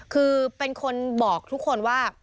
คือเป็นคนบอกทุกคนว่า